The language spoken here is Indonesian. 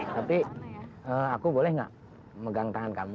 tapi aku boleh nggak megang tangan kamu